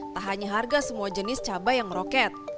tak hanya harga semua jenis cabai yang meroket